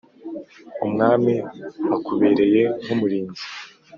umwami akubereye nk’umurinzi